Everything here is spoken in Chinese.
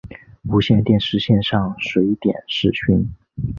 无线电视线上随点视讯